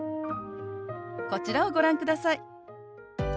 こちらをご覧ください。